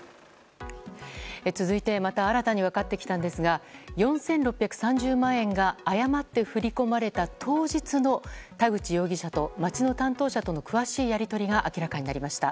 続いて、また新たに分かってきたんですが４６３０万円が誤って振り込まれた当日の田口容疑者と町の担当者との詳しいやり取りが明らかになりました。